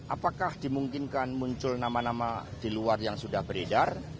apakah dimungkinkan muncul nama nama di luar yang sudah beredar